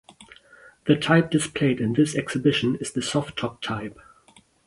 The type displayed in this exhibition is the soft top type.